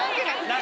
何？